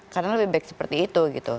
karena lebih baik seperti itu